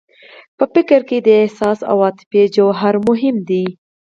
په فکر کې د احساس او عاطفې جوهر مهم دی.